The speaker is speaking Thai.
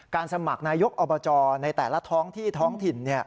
สมัครนายกอบจในแต่ละท้องที่ท้องถิ่น